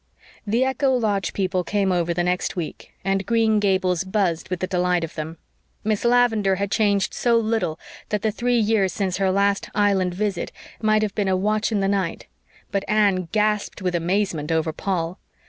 The Echo Lodge people came over the next week, and Green Gables buzzed with the delight of them. Miss Lavendar had changed so little that the three years since her last Island visit might have been a watch in the night; but Anne gasped with amazement over Paul.